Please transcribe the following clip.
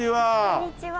こんにちは。